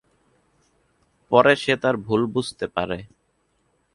পরে সে তার ভুল বুঝতে পারে।